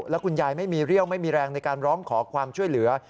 แล้วคุณยายไม่มีเรี่ยวไม่มีแรงในการร้องขอความช่วยเหลือ